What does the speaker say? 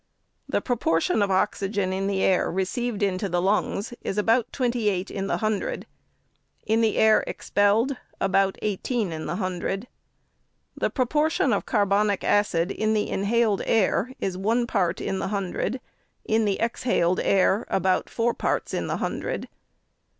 The proportion of oxygen in the air received into the lungs is about twenty one in the hundred ; in the air expelled, about eighteen in the hundred ;— the proportion of carbonic acid in the inhaled air is one part in the hundred, in the exhaled air about four parts in the hundred.